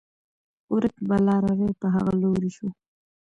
ورک به لاروی په هغه لوري شو